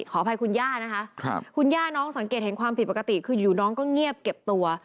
ขออภัยคุณย่านะคะคุณย่าน้องสังเกตเห็นความผิดปกติคืออยู่น้องก็เงียบเก็บตัว